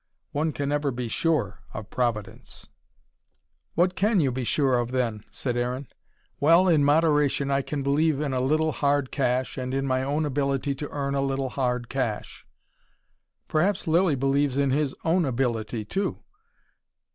One can never be SURE of Providence." "What can you be sure of, then?" said Aaron. "Well, in moderation, I can believe in a little hard cash, and in my own ability to earn a little hard cash." "Perhaps Lilly believes in his own ability, too."